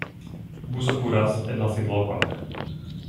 Buso kuras en la sidlokon.